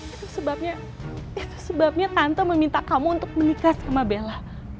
itu sebabnya itu sebabnya tante meminta kamu untuk menikah sama bella